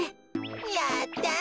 やった！